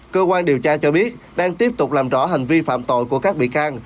cơ quan điều tra cho biết đang tiếp tục làm rõ hành vi phạm tội của các bị can